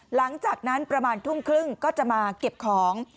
หลังจากนั้นประมาณทุ่มครึ่งก็จะมาเก็บของ